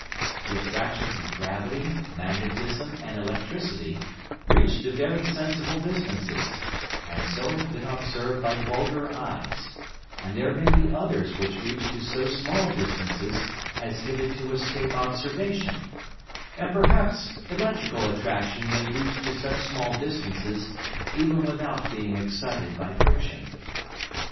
The Attractions of Gravity, Magnetism, and Electricity, reach to very sensible distances, and so have been observed by vulgar Eyes, and there may be others which reach to so small distances as hitherto escape Observation; and perhaps electrical Attraction may reach to such small distances, even without being excited by Friction.